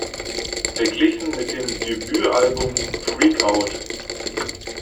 Verglichen mit dem Debütalbum "Freak Out!